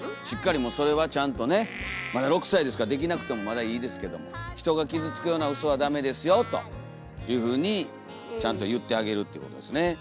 しっかりもうそれはちゃんとねまだ６歳ですからできなくてもまだいいですけども人が傷つくようなウソはダメですよというふうにちゃんと言ってあげるってことですね。